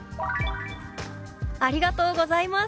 「ありがとうございます。